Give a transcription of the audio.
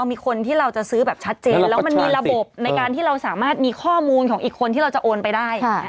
มีคนที่เราจะซื้อแบบชัดเจนแล้วมันมีระบบในการที่เราสามารถมีข้อมูลของอีกคนที่เราจะโอนไปได้